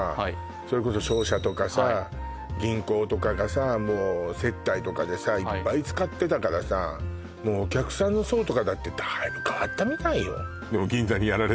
それこそ商社とかさ銀行とかがさ接待とかでさいっぱい使ってたからさもうお客さんの層とかだってだいぶ変わったみたいよ